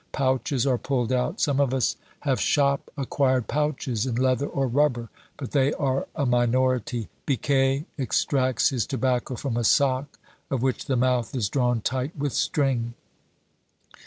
Pouches are pulled out. Some of us have shop acquired pouches in leather or rubber, but they are a minority. Biquet extracts his tobacco from a sock, of which the mouth is drawn tight with string.